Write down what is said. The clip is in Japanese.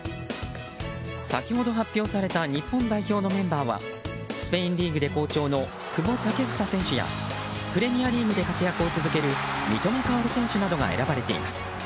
先ほど発表された日本代表のメンバーはスペインリーグで好調の久保建英選手やプレミアリーグで活躍を続ける三笘薫選手などが選ばれています。